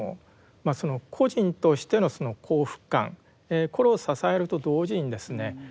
個人としてのその幸福感これを支えると同時にですね